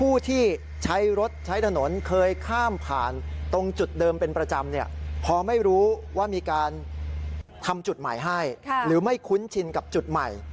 อุบัติเหตุหมายให้ค่ะหรือไม่คุ้นชินกับจุดใหม่